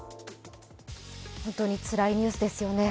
本当につらいニュースですよね。